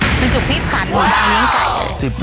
เราจะพริกผัดไม่ร้อยยังไก่เลย